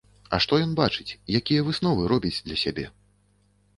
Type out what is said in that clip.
А што ён бачыць, якія высновы робіць для сябе?